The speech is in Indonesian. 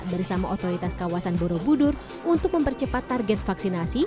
bersama otoritas kawasan borobudur untuk mempercepat target vaksinasi